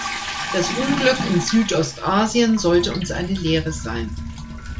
Das Unglück in Südostasien sollte uns eine Lehre sein.